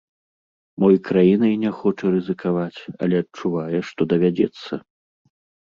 Мо і краінай не хоча рызыкаваць, але адчувае, што давядзецца.